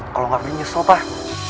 kalau gak beli nyesel pak